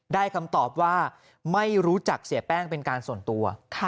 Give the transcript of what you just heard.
คำตอบว่าไม่รู้จักเสียแป้งเป็นการส่วนตัว